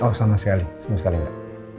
oh sama sekali senang sekali mbak